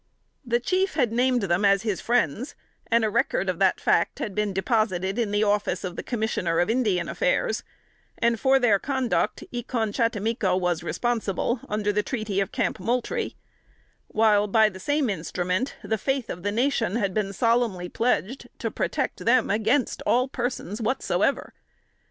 The chief had named them as his friends, and a record of the fact had been deposited in the office of the Commissioner of Indian Affairs; and for their conduct E con chattimico was responsible, under the treaty of "Camp Moultrie;" while, by the same instrument, the faith of the nation had been solemnly pledged "to protect them against all persons whatsoever."